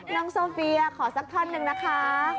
น้องโซเฟียขอสักท่อนหนึ่งนะคะ